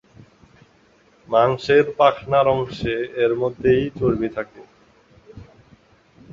মাংসের পাখনার অংশে এর মধ্যে ই চর্বি থাকে।